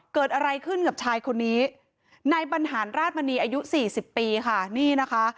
เกิดอะไรขึ้นกับชายคนนี้นายบรรหารราชมณีอายุสี่สิบปีค่ะนี่นะคะ